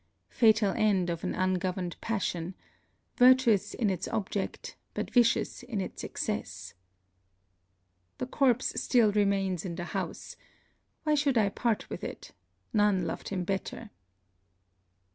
Fatal end of an ungoverned passion virtuous in its object, but vicious in its excess! The corpse still remains in the house. Why should I part with it? None loved him better.